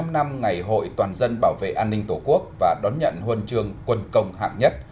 bảy mươi năm năm ngày hội toàn dân bảo vệ an ninh tổ quốc và đón nhận huân trường quân công hạng nhất